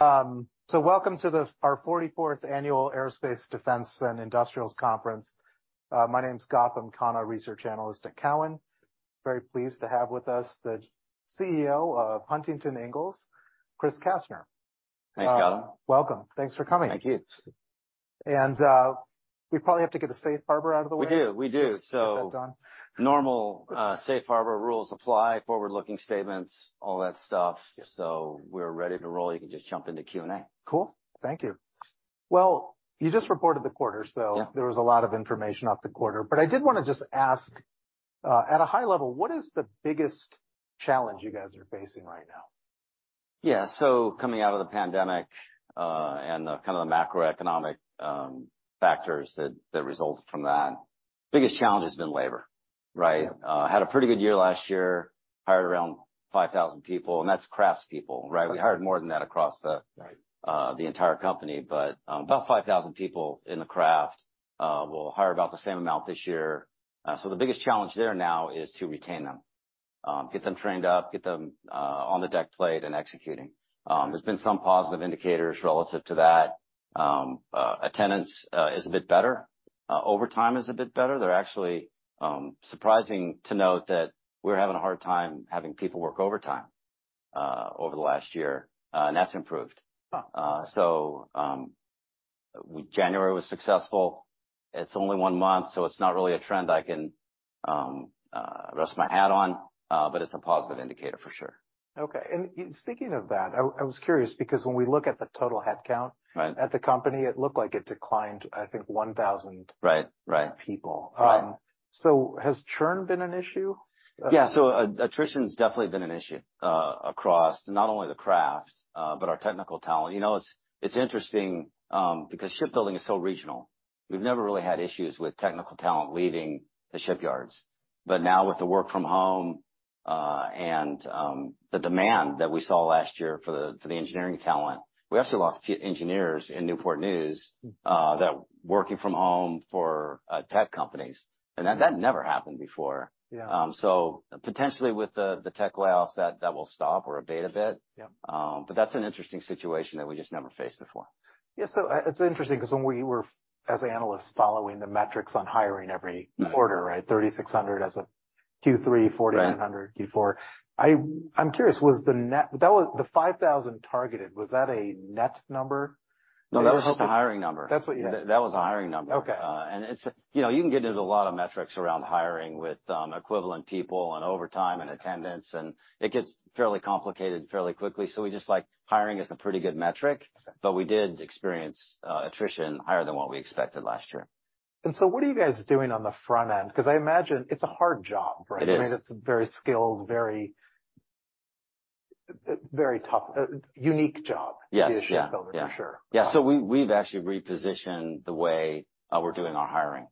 Welcome to our 44th Annual Aerospace/Defense & Industrials Conference. My name is Gautam Khanna, Research Analyst at Cowen. Very pleased to have with us the CEO of Huntington Ingalls, Chris Kastner. Thanks, Gautam. Welcome. Thanks for coming. Thank you. We probably have to get a Safe Harbor out of the way. We do. Get that done. Normal, Safe Harbor rules apply, forward-looking statements, all that stuff. We're ready to roll. You can just jump into Q&A. Cool. Thank you. Well, you just reported the quarter, so- Yeah. There was a lot of information off the quarter. I did wanna just ask, at a high level, what is the biggest challenge you guys are facing right now? Yeah. Coming out of the pandemic, and the kind of the macroeconomic factors that result from that, biggest challenge has been labor, right? Had a pretty good year last year, hired around 5,000 people, and that's craftspeople, right? We hired more than that across- Right.... the entire company. About 5,000 people in the craft. We'll hire about the same amount this year. The biggest challenge there now is to retain them, get them trained up, get them, on the deckplate and executing. There's been some positive indicators relative to that. Attendance is a bit better. Overtime is a bit better. They're actually, surprising to note that we're having a hard time having people work overtime over the last year. That's improved. Wow. January was successful. It's only one month, so it's not really a trend I can rest my hat on, but it's a positive indicator for sure. Okay. Speaking of that, I was curious because when we look at the total headcount- Right.... at the company, it looked like it declined, I think, 1,000- Right, right. -people. Right. Has churn been an issue? Yes. Attrition has definitely been an issue, across not only the craft, but our technical talent. You know, it's interesting, because shipbuilding is so regional. We've never really had issues with technical talent leaving the shipyards. But now with the work from home, and the demand that we saw last year for the engineering talent, we actually lost a few engineers in Newport News, that were working from home for tech companies. Mm. That never happened before. Yeah. Potentially with the tech layoffs, that will stop or abate a bit. Yeah. That's an interesting situation that we just never faced before. Yeah. It's interesting 'cause when we were, as Analysts, following the metrics on hiring every quarter- Mm-hmm.... right, 3,600 people as of Q3. Right. 4,100 people, Q4. I'm curious, was the net that was the 5,000 targeted, was that a net number? No, that was just a hiring number. That's what. That was a hiring number. Okay. It's, you know, you can get into a lot of metrics around hiring with equivalent people and overtime and attendance, and it gets fairly complicated fairly quickly. We just like hiring is a pretty good metric, but we did experience attrition higher than what we expected last year. What are you guys doing on the front end? 'Cause I imagine it's a hard job, right? It is. I mean, it's very skilled, very, very tough, unique job- Yes. Yeah.... to be a shipbuilder for sure. Yeah. We've actually repositioned the way we're doing our hiring.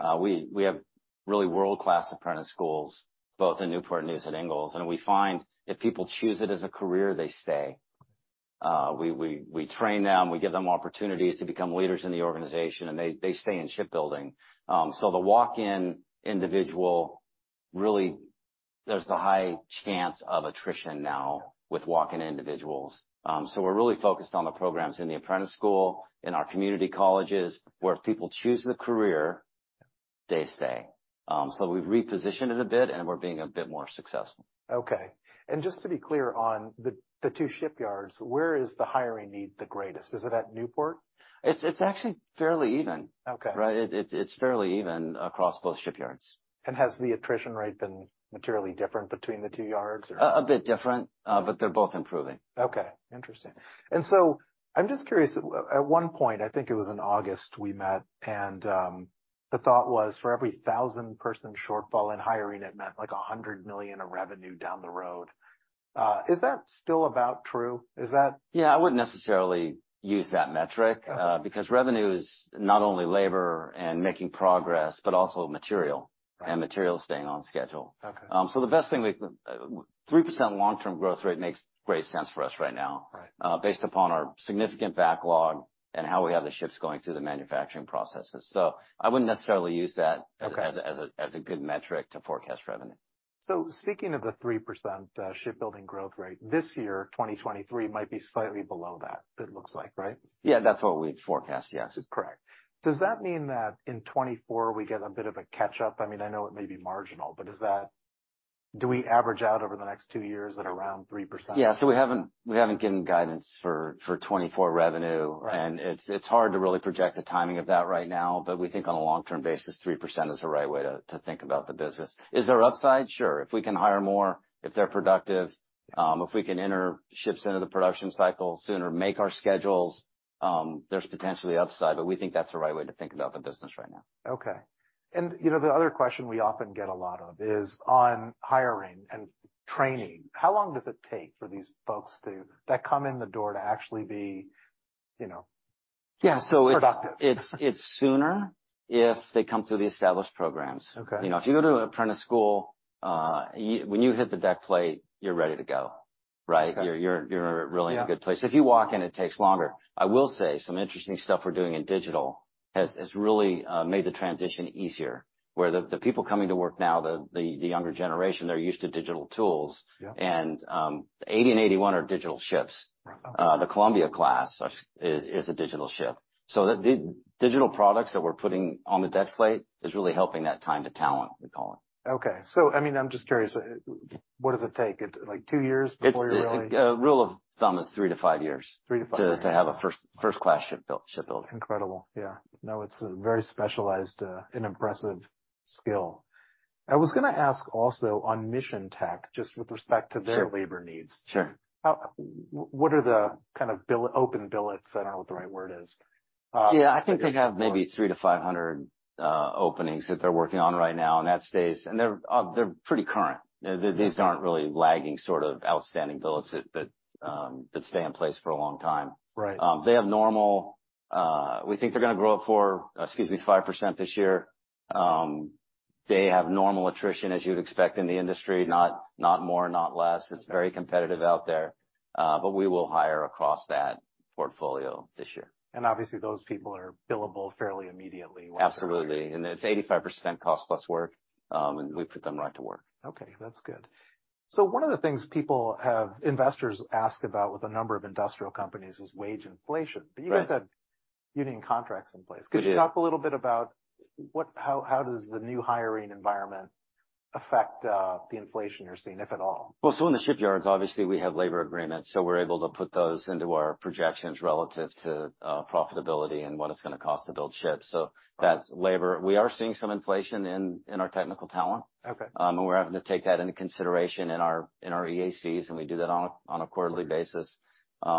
Okay. We have really world-class apprentice schools, both in Newport News and Ingalls. We find if people choose it as a career, they stay. We train them. We give them opportunities to become leaders in the organization. They stay in shipbuilding. The walk-in individual, really, there's a high chance of attrition now with walk-in individuals. We're really focused on the programs in the apprentice school, in our community colleges, where if people choose the career, they stay. We've repositioned it a bit. We're being a bit more successful. Okay. Just to be clear on the two shipyards, where is the hiring need the greatest? Is it at Newport? It's actually fairly even. Okay. Right? It's, it's fairly even across both shipyards. Has the attrition rate been materially different between the two yards or? A bit different, but they're both improving. Okay. Interesting. I'm just curious. At one point, I think it was in August, we met and, the thought was for every 1,000 person shortfall in hiring, it meant like $100 million of revenue down the road. Is that still about true? Yeah, I wouldn't necessarily use that metric. Okay. Revenue is not only labor and making progress, but also material. Right. Material staying on schedule. Okay. The best thing 3% long-term growth rate makes great sense for us right now. Right. Based upon our significant backlog and how we have the ships going through the manufacturing processes. I wouldn't necessarily use that- Okay.... as a good metric to forecast revenue. Speaking of the 3%, shipbuilding growth rate. This year, 2023 might be slightly below that, it looks like, right? Yeah. That's what we forecast. Yes. It's correct. Does that mean that in 2024 we get a bit of a catch-up? I mean, I know it may be marginal, but is that do we average out over the next two years at around 3%? We haven't given guidance for 2024 revenue. Right. It's hard to really project the timing of that right now, but we think on a long-term basis, 3% is the right way to think about the business. Is there upside? Sure. If we can hire more, if they're productive, if we can enter ships into the production cycle sooner, make our schedules, there's potentially upside. But we think that's the right way to think about the business right now. Okay. You know, the other question we often get a lot of is on hiring and training. How long does it take for these folks that come in the door to actually be, you know... Yeah. -productive? It's sooner if they come through the established programs. Okay. You know, if you go to apprentice school, when you hit the deckplate, you're ready to go, right? Okay. You're really in a good place. If you walk in, it takes longer. I will say some interesting stuff we're doing in digital has really made the transition easier where the people coming to work now, the younger generation, they're used to digital tools. Yeah. The CVN 80 and CVN 81 are digital ships. Okay. The Columbia-class is a digital ship. The digital products that we're putting on the deckplate is really helping that time to talent, we call it. Okay. I mean, I'm just curious, what does it take? It like two years before you really- It's a rule of thumb is three to five years... Three to five years. -to have a first class shipbuilder. Incredible. Yeah. It's a very specialized, an impressive skill. I was gonna ask also on Mission Tech, just with respect to their labor needs. Sure. Sure. What are the kind of open billets? I don't know what the right word is. Yeah, I think they have maybe 300-500 openings that they're working on right now. That stays. They're, they're pretty current. These aren't really lagging sort of outstanding billets that stay in place for a long time. Right. They have normal, we think they're gonna grow it for, excuse me, 5% this year. They have normal attrition, as you'd expect in the industry. Not more, not less. It's very competitive out there. We will hire across that portfolio this year. Obviously those people are billable fairly immediately. Absolutely. It's 85% cost-plus work. We put them right to work. Okay, that's good. One of the things investors ask about with a number of industrial companies is wage inflation. Right. You guys have union contracts in place. We do. Could you talk a little bit about how does the new hiring environment affect the inflation you're seeing, if at all? In the shipyards obviously we have labor agreements, so we're able to put those into our projections relative to profitability and what it's gonna cost to build ships. That's labor. We are seeing some inflation in our technical talent. Okay. We're having to take that into consideration in our, in our EACs, and we do that on a, on a quarterly basis. We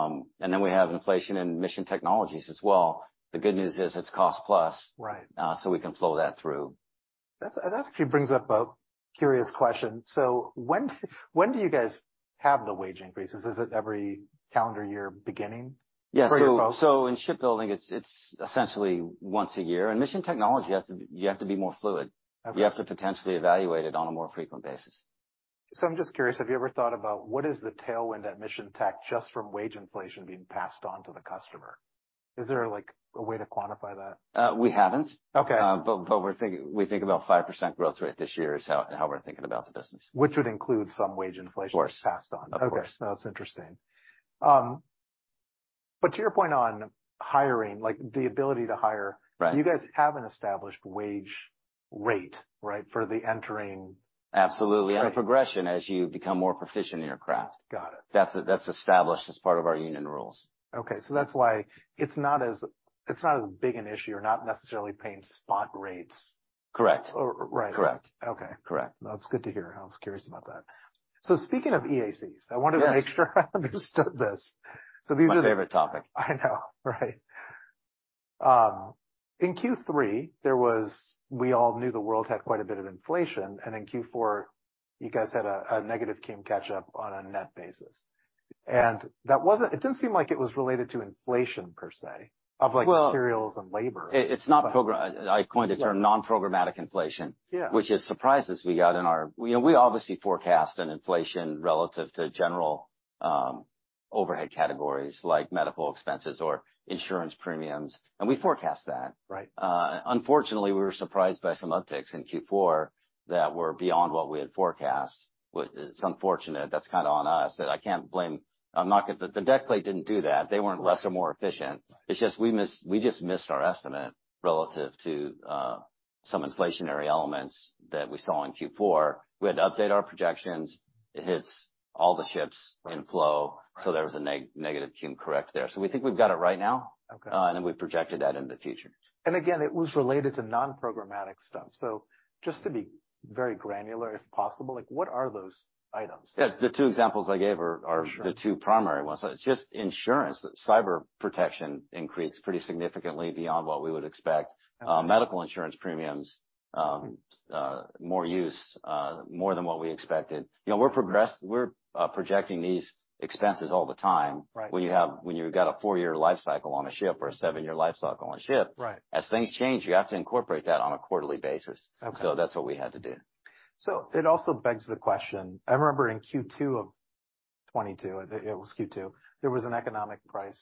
have inflation in Mission Technologies as well. The good news is it's cost-plus. Right. We can flow that through. That actually brings up a curious question. When do you guys have the wage increases? Is it every calendar year beginning? Yes. For your folks? In shipbuilding, it's essentially once a year. In Mission Technologies, you have to be more fluid. Okay. You have to potentially evaluate it on a more frequent basis. I'm just curious, have you ever thought about what is the tailwind at Mission Tech just from wage inflation being passed on to the customer? Is there, like, a way to quantify that? We haven't. Okay. We think about 5% growth rate this year is how we're thinking about the business. Which would include some wage inflation- Of course.... passed on. Of course. Okay. No, it's interesting. To your point on hiring, like the ability to hire. Right. Do you guys have an established wage rate, right, for the entering? Absolutely. A progression as you become more proficient in your craft. Got it. That's established as part of our union rules. Okay. That's why it's not as big an issue. You're not necessarily paying spot rates. Correct. Right. Correct. Okay. Correct. That's good to hear. I was curious about that. Speaking of EACs. Yes. I wanted to make sure I understood this. These are... My favorite topic. I know, right. In Q3, we all knew the world had quite a bit of inflation, and in Q4, you guys had a negative [cum] catch up on a net basis. That didn't seem like it was related to inflation per se- Well-... of materials and labor. I coined a term non-programmatic inflation. Yeah. Which is surprises we got in our... You know, we obviously forecast an inflation relative to general, overhead categories like medical expenses or insurance premiums. We forecast that. Right. Unfortunately, we were surprised by some upticks in Q4 that were beyond what we had forecast, which is unfortunate. That's kinda on us. I can't blame... I'm not gonna... The deckplate didn't do that. They weren't less or more efficient. Right. It's just we just missed our estimate relative to some inflationary elements that we saw in Q4. We had to update our projections. It hits all the ships in flow. Right. There was a negative [cum] correct there. We think we've got it right now. Okay. Then we've projected that into the future. Again, it was related to non-programmatic stuff. Just to be very granular, if possible, like, what are those items? Yeah. The two examples I gave are the two primary ones. It's just insurance. Cyber protection increased pretty significantly beyond what we would expect. Okay. Medical insurance premiums. More use, more than what we expected. You know, we're projecting these expenses all the time. Right. When you've got a four-year life cycle on a ship or a seven-year life cycle on a ship. Right. As things change, you have to incorporate that on a quarterly basis. Okay. That's what we had to do. It also begs the question. I remember in Q2 of 2022, I think it was Q2, there was an economic price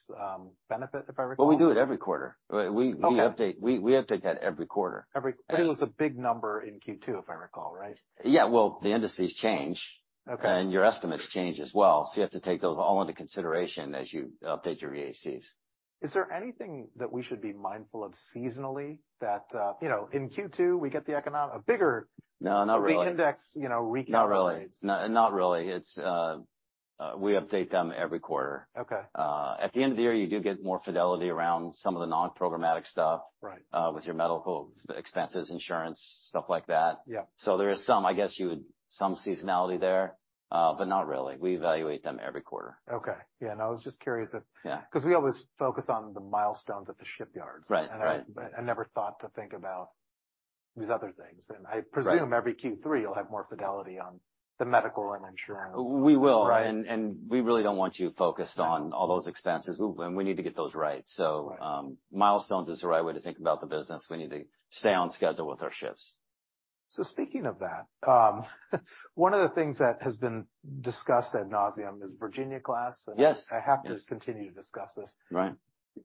benefit, if I recall. Well, we do it every quarter. Okay. We update, we update that every quarter. Every... it was a big number in Q2, if I recall, right? Yeah. Well, the indices change. Okay. Your estimates change as well. You have to take those all into consideration as you update your EACs. Is there anything that we should be mindful of seasonally that, you know, in Q2, we get the economic? A bigger- No, not really.... the index, you know. Not really. Not really. It's, we update them every quarter. Okay. At the end of the year, you do get more fidelity around some of the non-programmatic stuff- Right.... with your medical expenses, insurance, stuff like that. Yeah. There is some seasonality there, but not really. We evaluate them every quarter. Okay. Yeah. I was just curious. Yeah. 'Cause we always focus on the milestones at the shipyards. Right. Right. I never thought to think about these other things. I presume- Right.... every Q3, you'll have more fidelity on the medical and insurance. We will. Right. We really don't want you focused on all those expenses. We need to get those right. Right. Milestones is the right way to think about the business. We need to stay on schedule with our ships. Speaking of that, one of the things that has been discussed ad nauseam is Virginia-class. Yes. I have to continue to discuss this. Right.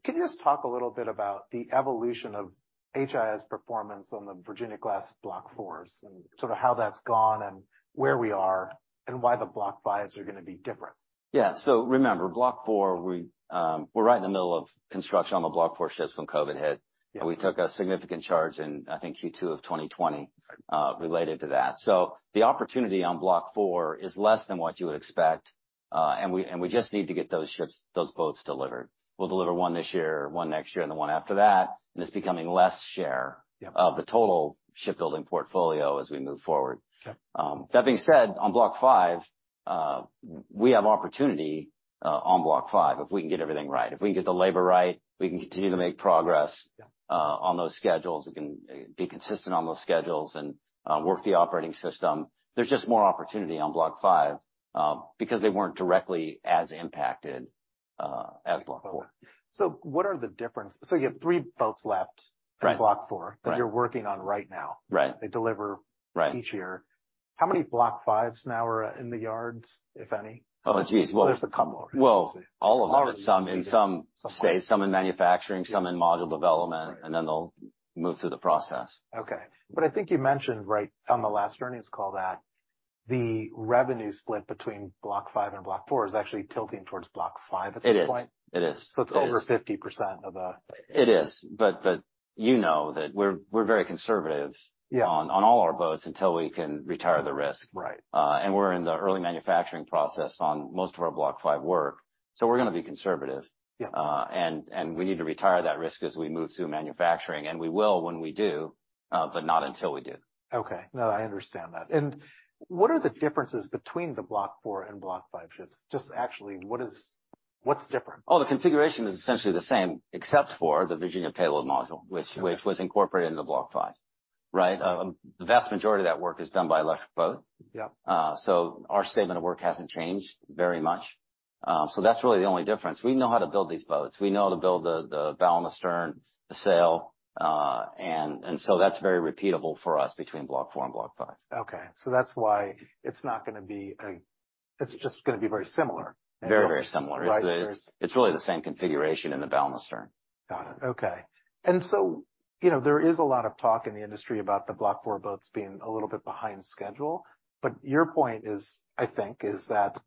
Can you just talk a little bit about the evolution of HII's performance on the Virginia-class Block IVs and sort of how that's gone and where we are and why the Block V's are gonna be different? Yeah. Remember, Block IV, we're right in the middle of construction on the Block IV ships when COVID hit. Yeah. We took a significant charge in, I think, Q2 of 2020, related to that. The opportunity on Block IV is less than what you would expect, and we just need to get those ships, those boats delivered. We'll deliver one this year, one next year, and the one after that. It's becoming less share- Yeah.... of the total shipbuilding portfolio as we move forward. Sure. That being said, on Block V, we have opportunity on Block V if we can get everything right. If we can get the labor right, we can continue to make progress- Yeah. ... on those schedules. We can be consistent on those schedules and work the operating system. There's just more opportunity on Block V because they weren't directly as impacted as Block IV. What are the difference? You have three boats left. Right. From Block IV- Right.... that you're working on right now. Right. They deliver- Right.... each year. How many Block Vs now are in the yards, if any? Oh, geez. Is the combo? Well, all of them are in some phase. Some in manufacturing, some in module development, and then they'll move through the process. Okay. I think you mentioned right, on the last earnings call that the revenue split between Block V and Block IV is actually tilting towards Block V at this point. It is. It is. It's over 50% of the... It is. you know that we're very conservative- Yeah.... on all our boats until we can retire the risk. Right. We're in the early manufacturing process on most of our Block V work, so we're gonna be conservative. Yeah. We need to retire that risk as we move through manufacturing, and we will when we do, but not until we do. Okay. No, I understand that. What are the differences between the Block IV and Block V ships? Just actually what's different? The configuration is essentially the same, except for the Virginia Payload Module, which was incorporated into Block V. Right? The vast majority of that work is done by Electric Boat. Yeah. Our statement of work hasn't changed very much. That's really the only difference. We know how to build these boats. We know how to build the bow and the stern, the sail, that's very repeatable for us between Block IV and Block V. Okay. That's why it's not going to be. It's just going to be very similar. Very similar. Right. It's really the same configuration in the bow and the stern. Got it. Okay. You know, there is a lot of talk in the industry about the Block IV boats being a little bit behind schedule. But your point is, I think, is that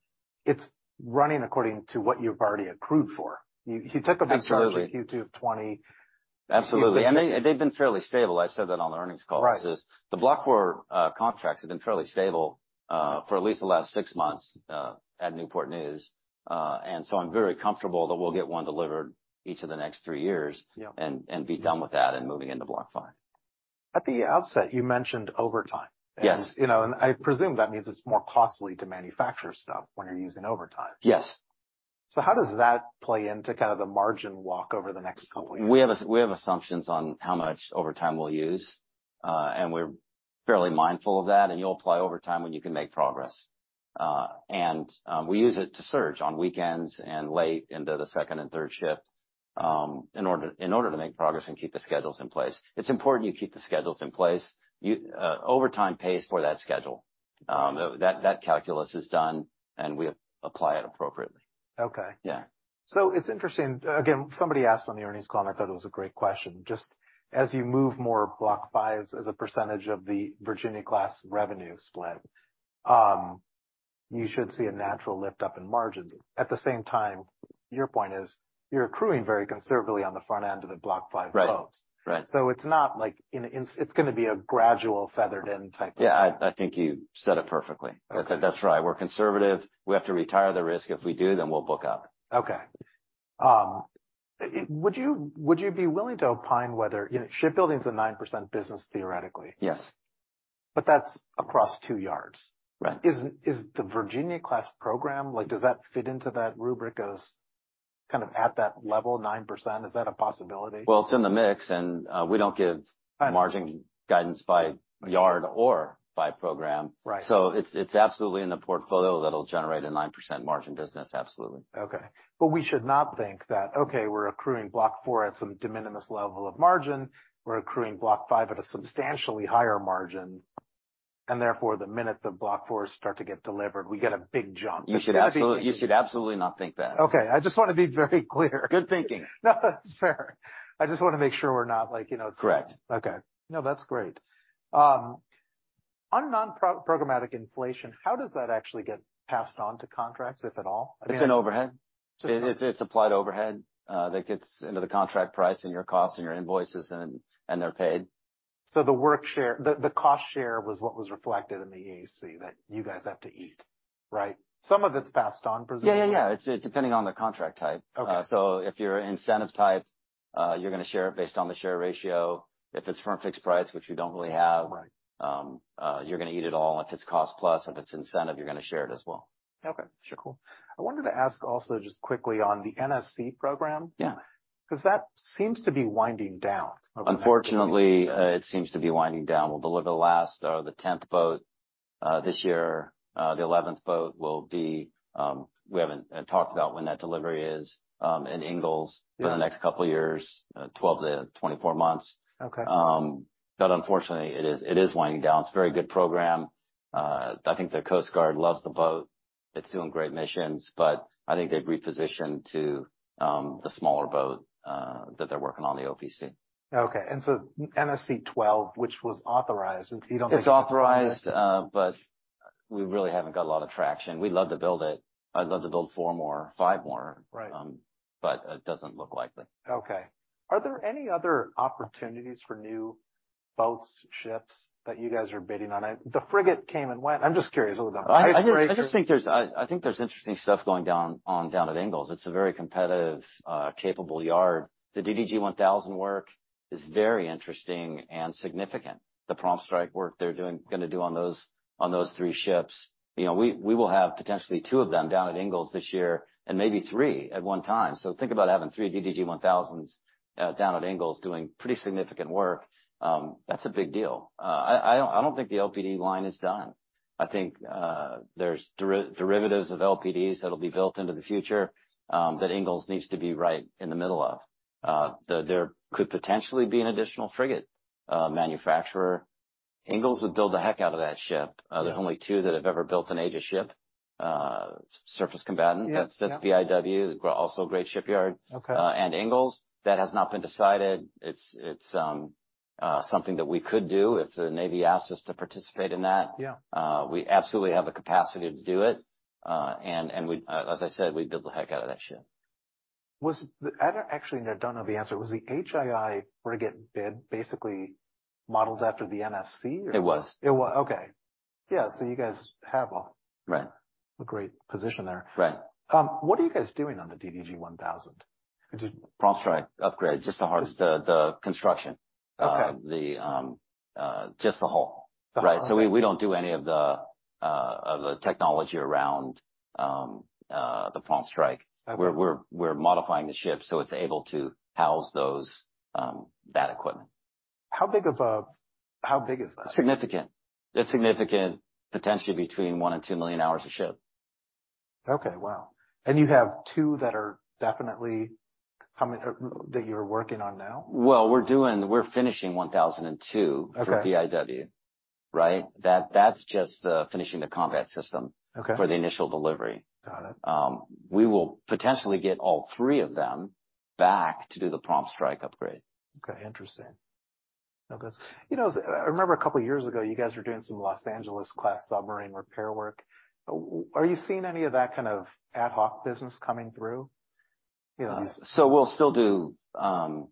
it's running according to what you've already accrued for. You took a big- Absolutely.... charge in Q2 of 2020. Absolutely. They've been fairly stable. I said that on the earnings call. Right. The Block IV contracts have been fairly stable for at least the last six months at Newport News. I'm very comfortable that we'll get one delivered each of the next three years. Yeah. And be done with that and moving into Block V. At the outset, you mentioned overtime. Yes. You know, and I presume that means it's more costly to manufacture stuff when you're using overtime. Yes. How does that play into kind of the margin walk over the next couple years? We have assumptions on how much overtime we'll use, and we're fairly mindful of that, and you'll apply overtime when you can make progress. We use it to surge on weekends and late into the second and third shift in order to make progress and keep the schedules in place. It's important you keep the schedules in place. Overtime pays for that schedule. That calculus is done, and we apply it appropriately. Okay. Yeah. It's interesting. Again, somebody asked on the earnings call, and I thought it was a great question. Just as you move more Block Vs as a percentage of the Virginia-class revenue split, you should see a natural lift up in margins. At the same time, your point is, you're accruing very conservatively on the front end of the Block V boats. Right. Right. It's gonna be a gradual feathered-in type of thing. Yeah, I think you said it perfectly. Okay. That's right. We're conservative. We have to retire the risk. If we do, then we'll book up. Okay. Would you be willing to opine whether, you know, shipbuilding's a 9% business, theoretically. Yes. That's across two yards. Right. Is the Virginia-class program, like, does that fit into that rubric as kind of at that level, 9%? Is that a possibility? Well, it's in the mix, and, we don't give- Right.... margin guidance by yard or by program. Right. It's absolutely in the portfolio that'll generate a 9% margin business absolutely. Okay. We should not think that, okay, we're accruing Block IV at some de minimis level of margin. We're accruing Block V at a substantially higher margin, and therefore, the minute the Block IVs start to get delivered, we get a big jump. You should absolutely not think that. Okay. I just wanna be very clear. Good thinking. No, that's fair. I just wanna make sure we're not like, you know- Correct. Okay. No, that's great. On non-programmatic inflation, how does that actually get passed on to contracts, if at all? It's an overhead. It's applied overhead that gets into the contract price and your cost and your invoices and they're paid. The cost share was what was reflected in the EAC that you guys have to eat. Right? Some of it's passed on, presumably. Yeah, yeah. It's depending on the contract type. Okay. If you're incentive type, you're gonna share it based on the share ratio. If it's firm-fixed-price, which we don't really have. Right. You're gonna eat it all if it's cost-plus. If it's incentive, you're gonna share it as well. Okay. Sure. Cool. I wanted to ask also, just quickly on the NSC program. Yeah. 'Cause that seems to be winding down over the next. Unfortunately, it seems to be winding down. We'll deliver the last, the 10th boat this year. The 11th boat will be, we haven't talked about when that delivery is, at Ingalls for the next couple of years, 12 to 24 months. Okay. Unfortunately, it is winding down. It's a very good program. I think the Coast Guard loves the boat. It's doing great missions, but I think they've repositioned to the smaller boat that they're working on the OPC. Okay. NSC 12, which was authorized, if you don't mind- It's authorized. We really haven't got a lot of traction. We'd love to build it. I'd love to build four more, five more. Right. It doesn't look likely. Okay. Are there any other opportunities for new boats, ships that you guys are bidding on? The frigate came and went. I'm just curious what the... I just think there's, I think there's interesting stuff going down on, down at Ingalls. It's a very competitive capable yard. The DDG 1000 work is very interesting and significant. The Prompt Strike work they're gonna do on those, on those 3 ships. You know, we will have potentially 2 of them down at Ingalls this year and maybe 3 at one time. Think about having 3 DDG 1000s down at Ingalls doing pretty significant work. That's a big deal. I don't think the LPD line is done. I think there's derivatives of LPDs that'll be built into the future, that Ingalls needs to be right in the middle of. There could potentially be an additional frigate manufacturer. Ingalls would build the heck out of that ship. There's only two that have ever built an Aegis ship, surface combatant. Yeah. That's BIW, also a great shipyard. Okay. At Ingalls. That has not been decided. It's something that we could do if the Navy asks us to participate in that. Yeah. We absolutely have the capacity to do it. As I said, we'd build the heck out of that ship. I don't actually know the answer. Was the HII frigate bid basically modeled after the NSC, or? It was. Okay. Yeah. you guys have- Right.... a great position there. Right. What are you guys doing on the DDG 1000? Prompt Strike upgrade. Just the hardest, the construction. Okay. The, just the hull. The hull. Right. We don't do any of the technology around the Prompt Strike. Okay. We're modifying the ship, so it's able to house those, that equipment. How big is that? Significant. It's significant. Potentially between 1 million hours and 2 million hours a ship. Okay. Wow. You have two that are definitely coming or that you're working on now? Well, we're finishing 1,002- Okay.... for BIW, right? That's just the finishing the combat system- Okay.... for the initial delivery. Got it. We will potentially get all three of them back to do the Prompt Strike upgrade. Okay. Interesting. Okay. You know, I remember a couple years ago, you guys were doing some Los Angeles-class submarine repair work. Are you seeing any of that kind of ad hoc business coming through? You know? We'll still do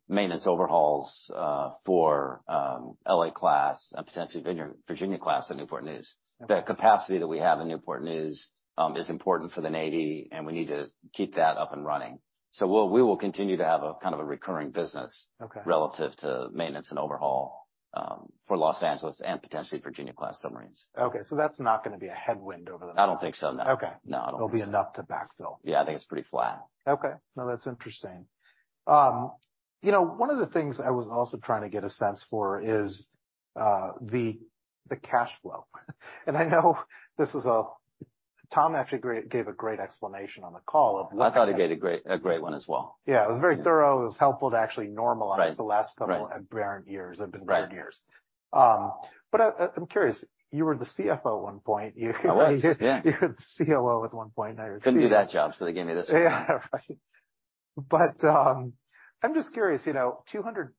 maintenance overhauls for LA class and potentially Virginia-class at Newport News. Okay. The capacity that we have in Newport News is important for the Navy, and we need to keep that up and running. We will continue to have a kind of a recurring business- Okay.... relative to maintenance and overhaul for Los Angeles-class and potentially Virginia-class submarines. Okay. That's not gonna be a headwind over the... I don't think so, no. Okay. No, I don't think so. There'll be enough to backfill. Yeah. I think it's pretty flat. Okay. No, that's interesting. You know, one of the things I was also trying to get a sense for is the cash flow. I know this is a... Tom actually gave a great explanation on the call of- I thought he gave a great, a great one as well. Yeah. It was very thorough. It was helpful to actually normalize- Right.... the last couple of years. They've been years. I'm curious, you were the CFO at one point. I was, yeah. You were the COO at one point. Now you're CEO. Couldn't do that job, so they gave me this one. Yeah. Right. I'm just curious, you know, 200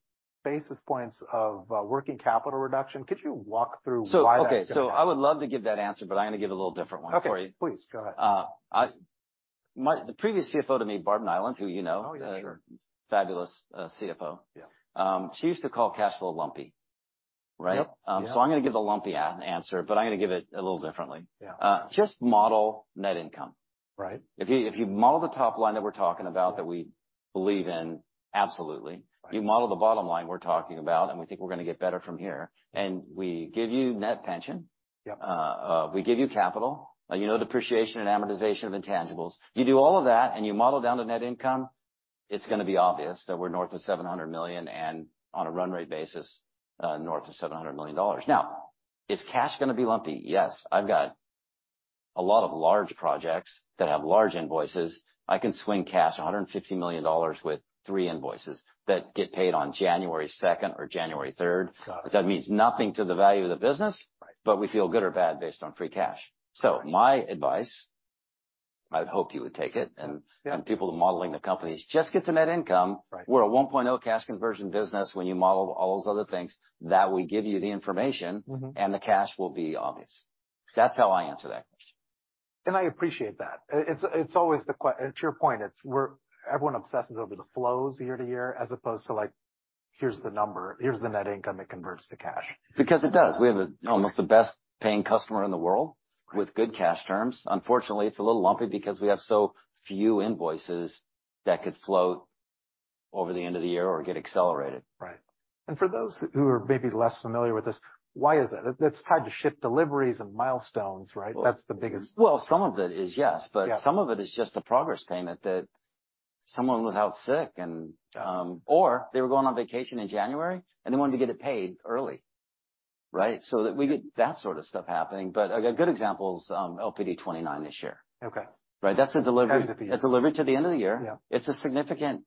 basis points of working capital reduction. Could you walk through why that's... Okay, I would love to give that answer, but I'm gonna give a little different one for you. Okay. Please, go ahead. The previous CFO to me, Barb Niland, who you know- Oh, yeah. Sure.... fabulous, CFO. Yeah. She used to call cash flow lumpy, right? Yep. Yeah. I'm gonna give the lumpy answer, but I'm gonna give it a little differently. Yeah. Just model net income. Right. If you model the top line that we're talking about, that we believe in, absolutely. Right. You model the bottom line we're talking about, and we think we're gonna get better from here, and we give you net pension. Yep. We give you capital. You know, depreciation and amortization of intangibles. You do all of that and you model down to net income, it's gonna be obvious that we're north of $700 million and on a run rate basis, north of $700 million. Is cash gonna be lumpy? Yes. I've got a lot of large projects that have large invoices. I can swing cash $150 million with three invoices that get paid on January 2nd or January 3rd. Got it. That means nothing to the value of the business. Right. We feel good or bad based on free cash. Right. My advice, I would hope you would take it- Yeah.... and people modeling the companies, just get to net income. Right. We're a 1.0 cash conversion business when you model all those other things. That will give you the information. Mm-hmm. The cash will be obvious. That's how I answer that question. I appreciate that. To your point, everyone obsesses over the flows year-to-year as opposed to, like, here's the number, here's the net income that converts to cash. Because it does. We have- Right.... almost the best paying customer in the world with good cash terms. Unfortunately, it's a little lumpy because we have so few invoices that could float over the end of the year or get accelerated. Right. For those who are maybe less familiar with this, why is that? It's hard to ship deliveries and milestones, right? That's the biggest. Well, some of it is, yes. Yeah. Some of it is just the progress payment that someone was out sick and, or they were going on vacation in January, and they wanted to get it paid early, right? That we get that sort of stuff happening. A good example is LPD 29 this year. Okay. Right. That's a delivery to the end of the year. Yeah. It's a significant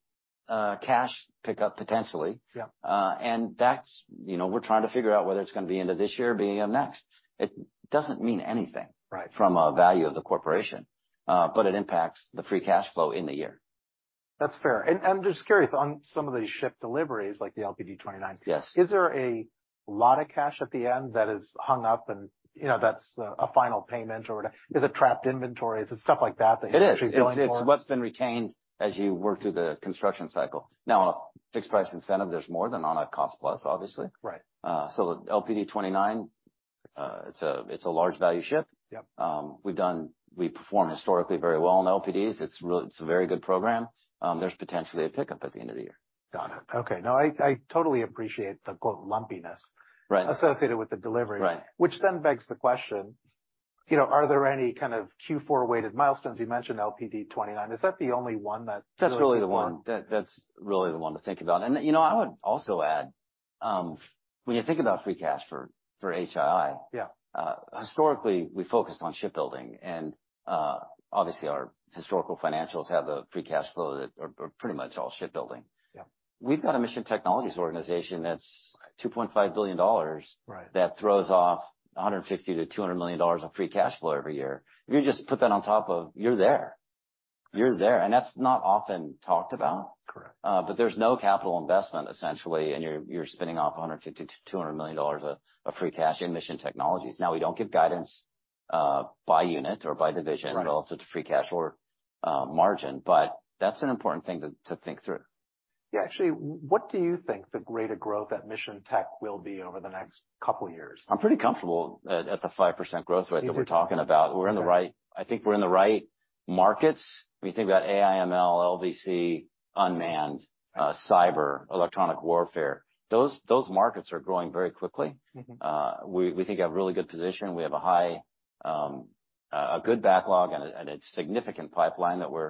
cash pickup, potentially. Yeah. That's, you know, we're trying to figure out whether it's gonna be end of this year or beginning of next. It doesn't mean anything- Right.... from a value of the corporation, but it impacts the free cash flow in the year. That's fair. I'm just curious, on some of these ship deliveries like the LPD 29- Yes.... is there a lot of cash at the end that is hung up and, you know, that's a final payment or whatever? Is it trapped inventory? Is it stuff like that you're actually billing for? It is. It's what's been retained as you work through the construction cycle. Now, on a fixed-price incentive, there's more than on a cost-plus, obviously. Right. LPD 29, it's a large value ship. Yep. We perform historically very well on LPDs. It's a very good program. There's potentially a pickup at the end of the year. Got it. Okay. No, I totally appreciate the, quote, "lumpiness"- Right.... associated with the deliveries. Right. Which begs the question, you know, are there any kind of Q4 weighted milestones? You mentioned LPD 29. Is that the only one that... That's really the one. That's really the one to think about. You know, I would also add, when you think about free cash for HII- Yeah. Historically, we focused on shipbuilding and, obviously, our historical financials have a free cash flow that are pretty much all shipbuilding. Yeah. We've got a Mission Technologies organization that's $2.5 billion- Right.... that throws off $150 million-$200 million of free cash flow every year. If you just put that on top of, you're there. You're there, and that's not often talked about. Correct. But there's no capital investment, essentially, and you're spinning off $150 million-$200 million of free cash in Mission Technologies. We don't give guidance by unit or by division- Right.... in relation to free cash flow or margin, but that's an important thing to think through. Yeah, actually, what do you think the rate of growth at Mission Tech will be over the next couple years? I'm pretty comfortable at the 5% growth rate that we're talking about. I think we're in the right markets. When you think about AI, ML, LVC, unmanned, cyber, electronic warfare, those markets are growing very quickly. Mm-hmm. We think we have a really good position. We have a high, a good backlog and a significant pipeline that we're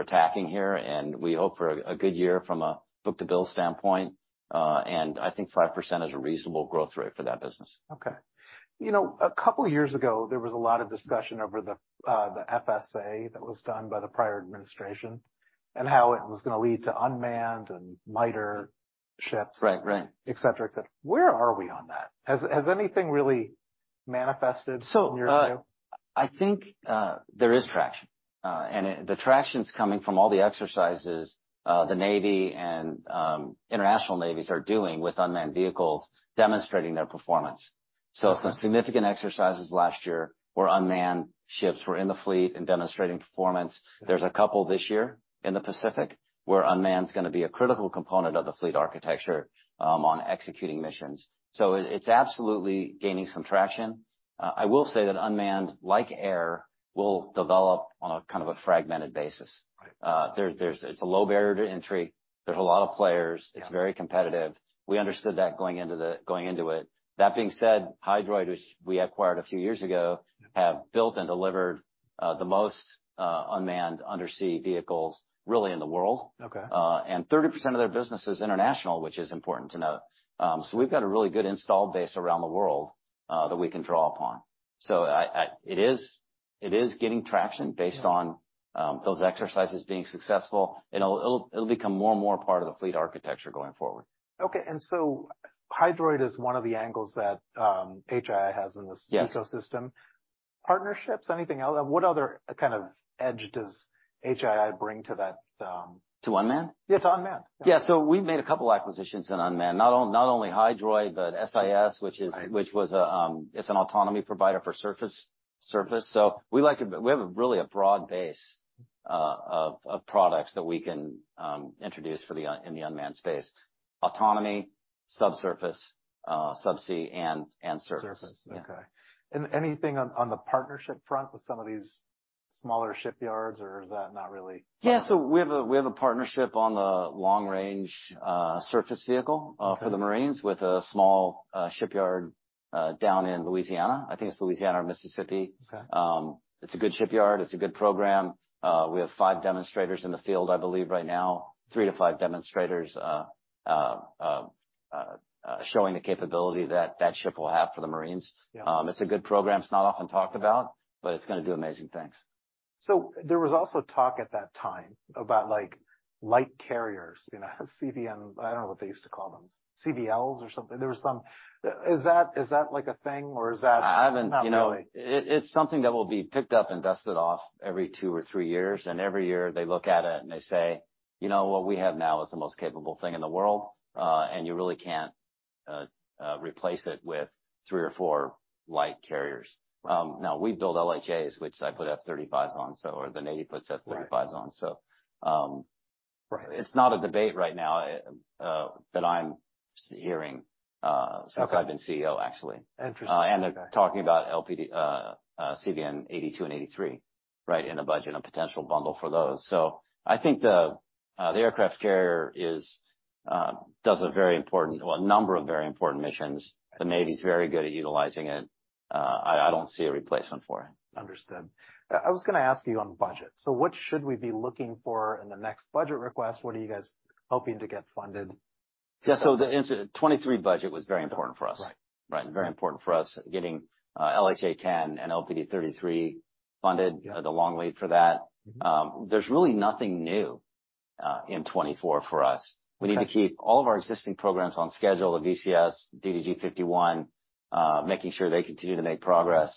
attacking here, and we hope for a good year from a book-to-bill standpoint. I think 5% is a reasonable growth rate for that business. Okay. You know, a couple years ago, there was a lot of discussion over the FSA that was done by the prior administration and how it was gonna lead to unmanned and lighter ships- Right, right.... et cetera, et cetera. Where are we on that? Has anything really manifested in your view? I think there is traction. And the traction's coming from all the exercises, the Navy and international navies are doing with unmanned vehicles demonstrating their performance. Some significant exercises last year where unmanned ships were in the fleet and demonstrating performance. There's a couple this year in the Pacific where unmanned's gonna be a critical component of the fleet architecture on executing missions. It's absolutely gaining some traction. I will say that unmanned, like air, will develop on a kind of a fragmented basis. Right. It's a low barrier to entry. There's a lot of players. Yeah. It's very competitive. We understood that going into it. That being said, Hydroid, which we acquired a few years ago, have built and delivered the most unmanned undersea vehicles really in the world. Okay. And 30% of their business is international, which is important to note. We've got a really good install base around the world that we can draw upon. It is gaining traction based on those exercises being successful. It'll become more and more part of the fleet architecture going forward. Okay. Hydroid is one of the angles that HII has in this- Yes.... ecosystem. Partnerships? Anything else? What other kind of edge does HII bring to that... To unmanned? Yeah, to unmanned. Yeah. We've made a couple acquisitions in unmanned. Not only Hydroid, but SIS, which is- Right.... which was an autonomy provider for surface. We have a really broad base of products that we can introduce in the unmanned space. Autonomy, subsurface, subsea and surface. Surface. Yeah. Okay. Anything on the partnership front with some of these smaller shipyards, or is that not really? Yeah. We have a partnership on the long-range surface vehicle- Okay.... for the Marines with a small shipyard down in Louisiana. I think it's Louisiana or Mississippi. Okay. It's a good shipyard. It's a good program. We have five demonstrators in the field I believe right now. Three to five demonstrators, showing the capability that that ship will have for the Marines. Yeah. It's a good program. It's not often talked about, but it's gonna do amazing things. There was also talk at that time about like light carriers, you know, CVN. I don't know what they used to call them. CVLs or something. There was some. Is that like a thing or is that... I haven't, you know, it's something that will be picked up and dusted off every two or three years. Every year they look at it and they say, "You know, what we have now is the most capable thing in the world, and you really can't replace it with three or four light carriers." Now we build LHAs, which I put F-35s on, so, or the Navy puts F-35s on. Right. So, um- Right. It's not a debate right now, that I'm hearing- Okay. -since I've been CEO, actually. Interesting. Okay. They're talking about LPD, CVN 82 and 83, right, in the budget, a potential bundle for those. I think the aircraft carrier is, does a very important or a number of very important missions. The Navy's very good at utilizing it. I don't see a replacement for it. Understood. I was gonna ask you on budget. What should we be looking for in the next budget request? What are you guys hoping to get funded? Yeah. The answer, 2023 budget was very important for us. Right. Right. Very important for us getting LHA 10 and LPD 33 funded- Yeah.... for the long lead for that. There's really nothing new in 2024 for us. Okay. We need to keep all of our existing programs on schedule. The VCS, DDG 51, making sure they continue to make progress.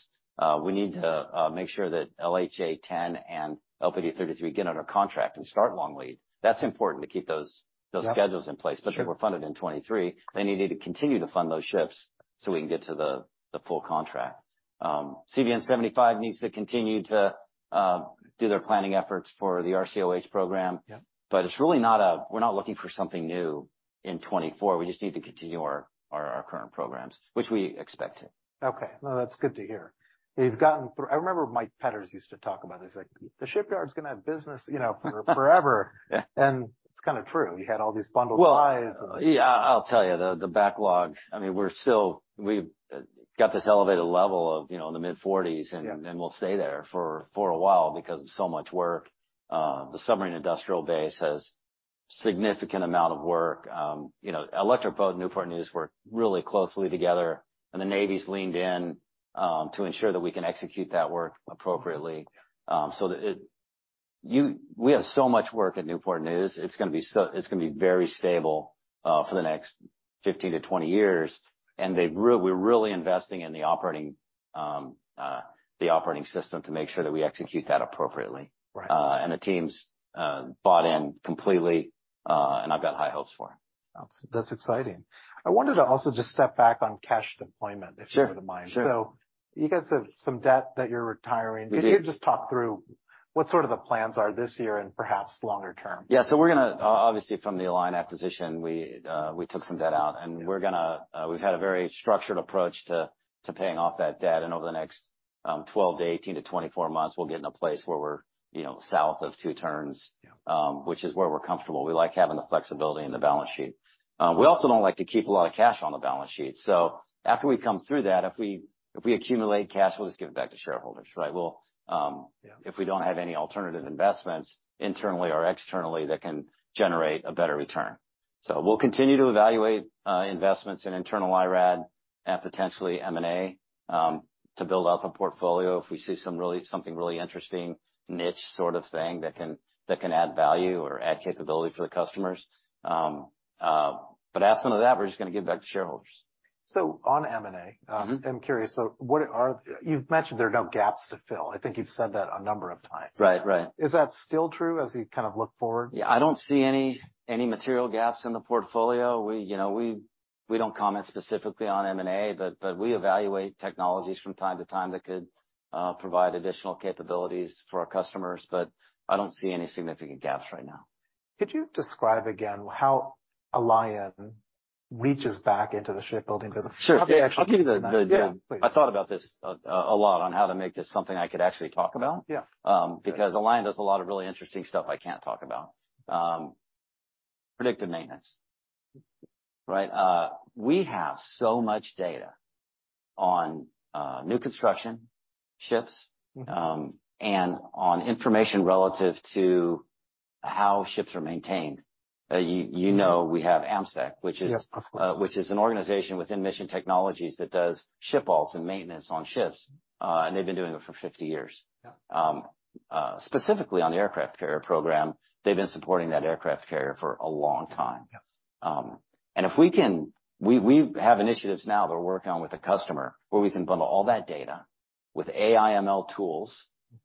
We need to make sure that LHA 10 and LPD 33 get under contract and start long lead. That's important to keep those- Yeah. -schedules in place. Sure. They were funded in 2023. They need you to continue to fund those ships so we can get to the full contract. CVN 75 needs to continue to do their planning efforts for the RCOH program. Yeah. It's really not a, we're not looking for something new in 2024. We just need to continue our current programs, which we expect to. Okay. No, that's good to hear. They've gotten through. I remember Mike Petters used to talk about this. He's like, "The shipyard's gonna have business, you know, for forever." Yeah. It's kind of true. You had all these bundled flies. Well, yeah. I'll tell you the backlog, I mean, we've got this elevated level of, you know, in the mid-40s. Yeah. We'll stay there for a while because of so much work. The submarine industrial base has significant amount of work. You know, Electric Boat and Newport News work really closely together. The Navy's leaned in to ensure that we can execute that work appropriately. We have so much work at Newport News, it's gonna be very stable for the next 15 to 20 years. We're really investing in the operating, the operating system to make sure that we execute that appropriately. Right. The team's bought in completely. I've got high hopes for them. That's exciting. I wanted to also just step back on cash deployment- Sure.... if you wouldn't mind. Sure. You guys have some debt that you're retiring. We do. Could you just talk through what sort of the plans are this year and perhaps longer term? Yeah. We're gonna obviously from the Alion acquisition, we took some debt out. Yeah. We're gonna, we've had a very structured approach to paying off that debt over the next, 12 to 18 to 24 months, we'll get in a place where we're, you know, south of two turns- Yeah.... which is where we're comfortable. We like having the flexibility in the balance sheet. We also don't like to keep a lot of cash on the balance sheet. After we come through that, if we, if we accumulate cash, we'll just give it back to shareholders, right? Yeah. If we don't have any alternative investments, internally or externally that can generate a better return. We'll continue to evaluate investments in internal IRAD and potentially M&A to build out the portfolio if we see something really interesting niche sort of thing that can, that can add value or add capability for the customers. Absent of that, we're just gonna give it back to shareholders. On M&A. Mm-hmm. I'm curious, you've mentioned there are no gaps to fill. I think you've said that a number of times. Right. Right. Is that still true as you kind of look forward? Yeah. I don't see any material gaps in the portfolio. We, you know, we don't comment specifically on M&A, but we evaluate technologies from time to time that could provide additional capabilities for our customers, but I don't see any significant gaps right now. Could you describe again how Alion reaches back into the shipbuilding business? Sure. Yeah. How big- I'll give you the- Yeah, please. I thought about this a lot on how to make this something I could actually talk about. Yeah. Because Alion does a lot of really interesting stuff I can't talk about. Predictive maintenance. Right? We have so much data on new construction ships. Mm-hmm. On information relative to how ships are maintained. You know, we have AMSEC, which is... Yes, of course. Which is an organization within Mission Technologies that does ship halts and maintenance on ships. They've been doing it for 50 years. Yeah. Specifically on the aircraft carrier program, they've been supporting that aircraft carrier for a long time. Yes. We have initiatives now that we're working on with a customer where we can bundle all that data with AI ML tools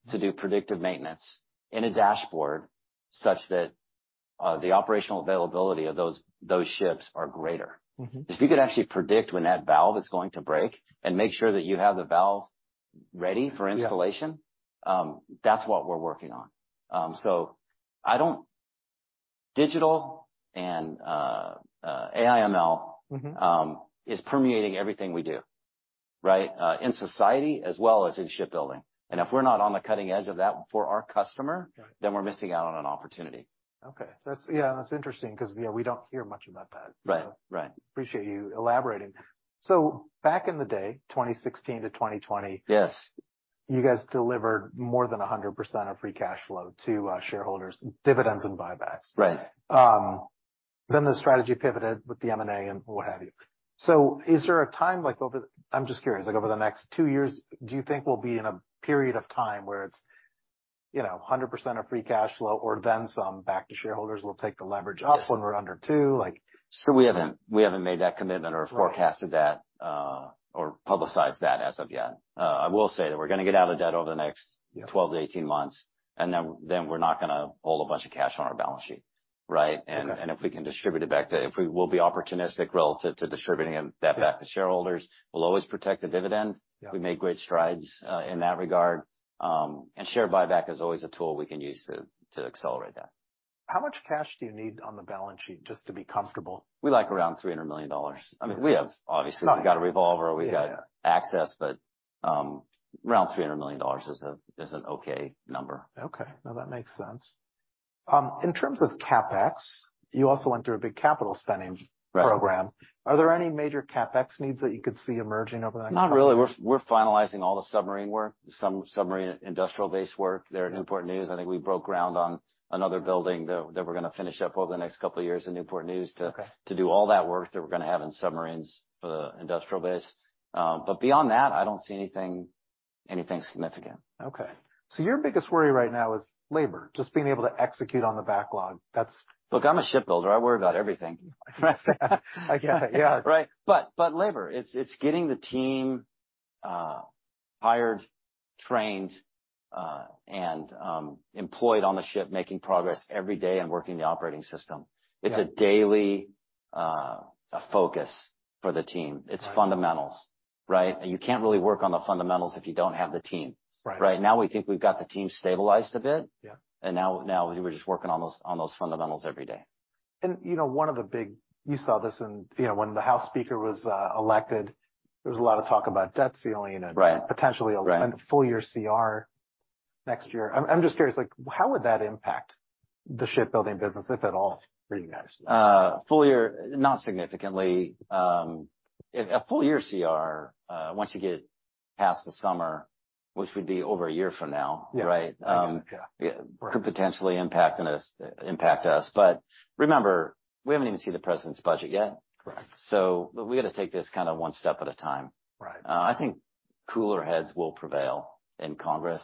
to do predictive maintenance in a dashboard such that the operational availability of those ships are greater. Mm-hmm. If you could actually predict when that valve is going to break and make sure that you have the valve ready for installation- Yeah.... that's what we're working on. Digital and AI ML- Mm-hmm.... is permeating everything we do, right? In society as well as in shipbuilding. If we're not on the cutting edge of that for our customer- Right.... then we're missing out on an opportunity. Okay. That's, yeah, that's interesting 'cause, yeah, we don't hear much about that. Right. Right. Appreciate you elaborating. Back in the day, 2016-2020. Yes. You guys delivered more than 100% of free cash flow to shareholders, dividends and buybacks. Right. The strategy pivoted with the M&A and what have you. Is there a time, like I'm just curious, like over the next two years, do you think we'll be in a period of time where it's, you know, 100% of free cash flow or then some back to shareholders? We'll take the leverage up- Yes.... when we're under two. Like- We haven't made that commitment or forecasted that or publicized that as of yet. I will say that we're gonna get out of debt over the next- Yeah.... 12 to 18 months, then we're not gonna hold a bunch of cash on our balance sheet, right? Okay. If we can distribute it back to, we'll be opportunistic relative to distributing it, that back to shareholders. We'll always protect the dividend. Yeah. We made great strides in that regard. Share buyback is always a tool we can use to accelerate that. How much cash do you need on the balance sheet just to be comfortable? We like around $300 million. I mean, we have, obviously, we've got a revolver. Yeah. We've got access, around $300 million is an okay number. Okay. No, that makes sense. In terms of CapEx, you also went through a big capital spending program. Right. Are there any major CapEx needs that you could see emerging over the next couple? Not really. We're finalizing all the submarine work. Some submarine industrial base work there at Newport News. I think we broke ground on another building that we're going to finish up over the next couple of years in Newport News. Okay. To do all that work that we're gonna have in submarines for the industrial base. Beyond that, I don't see anything significant. Your biggest worry right now is labor, just being able to execute on the backlog. Look, I'm a shipbuilder. I worry about everything. I get it, yeah. Right? Labor, it's getting the team hired, trained, and employed on the ship, making progress every day and working the operating system. Yeah. It's a daily focus for the team. Right. It's fundamentals, right? You can't really work on the fundamentals if you don't have the team. Right. Right now, we think we've got the team stabilized a bit. Yeah. Now we're just working on those fundamentals every day. You know, You saw this in, you know, when the House Speaker was elected, there was a lot of talk about debt ceiling- Right.... potentially a full year CR next year. I'm just curious, like, how would that impact the shipbuilding business, if at all, for you guys? Full year, not significantly. A full year CR, once you get past the summer, which would be over a year from now, right? Yeah. Yeah. Right. Could potentially impact on us, impact us. remember, we haven't even seen the President's budget yet. Correct. We gotta take this kinda one step at a time. Right. I think cooler heads will prevail in Congress,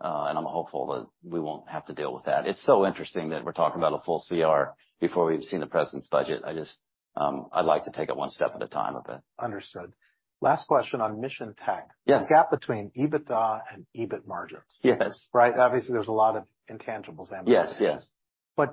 and I'm hopeful that we won't have to deal with that. It's so interesting that we're talking about a full CR before we've seen the President's budget. I just, I'd like to take it one step at a time a bit. Understood. Last question on Mission Tech. Yes. The gap between EBITDA and EBIT margins. Yes. Right? Obviously, there's a lot of intangibles there. Yes. Yes.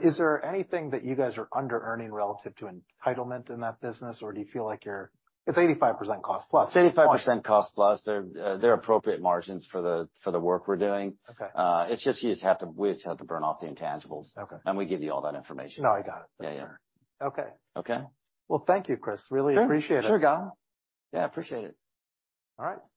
Is there anything that you guys are under-earning relative to entitlement in that business, or do you feel like? It's 85% cost plus. It's 85% cost-plus. They're, they're appropriate margins for the work we're doing. Okay. It's just we just have to burn off the intangibles. Okay. We give you all that information. No, I got it. For sure. Yeah. Okay. Okay? Well, thank you, Chris. Really appreciate it. Sure, Gautam. Yeah, appreciate it. All right.